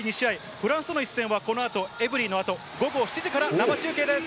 フランスとの一戦はこのあとエブリィのあと、午後７時から生中継です。